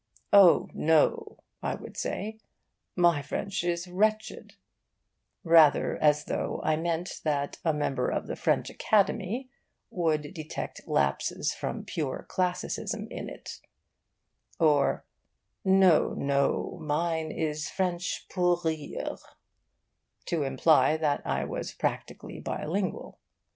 'Oh no,' I would say, 'my French is wretched,' rather as though I meant that a member of the French Academy would detect lapses from pure classicism in it; or 'No, no, mine is French pour rire,' to imply that I was practically bilingual.